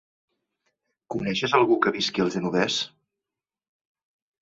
Coneixes algú que visqui al Genovés?